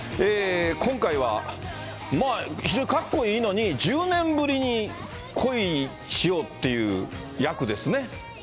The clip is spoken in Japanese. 今回は非常にかっこいいのに、１０年ぶりに恋しようっていう役ですね。